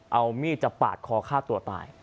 เอามีดจะปาดคอฆ่าตัวตาย